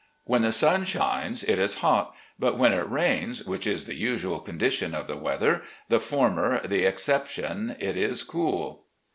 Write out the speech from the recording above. When the stm shines, it is hot ; but when it rains, which is the usual condition of the weather, the former the excep tion, it is cool.